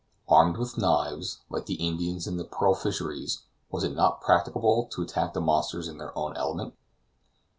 Armed with knives, like the Indians in the pearl fisheries, was it not practicable to attack the monsters in their own element?